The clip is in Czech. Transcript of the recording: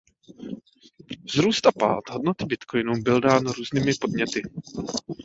Vzrůst a pád hodnoty bitcoinu byl dán různými podněty.